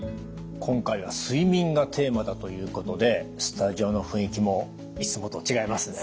今回は「睡眠」がテーマだということでスタジオの雰囲気もいつもと違いますね。